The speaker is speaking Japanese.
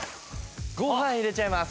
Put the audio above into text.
ご飯入れちゃいます。